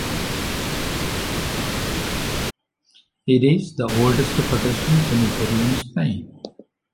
It is the oldest Protestant cemetery in Spain.